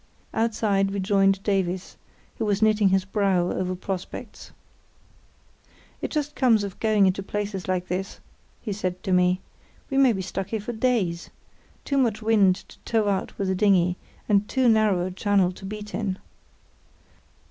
Outside we joined Davies, who was knitting his brow over prospects. "It just comes of going into places like this," he said to me. "We may be stuck here for days. Too much wind to tow out with the dinghy, and too narrow a channel to beat in."